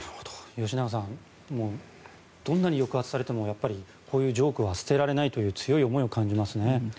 吉永さん、どんなに抑圧されてもやっぱりこういうジョークは捨てられないという強い思いを感じますね。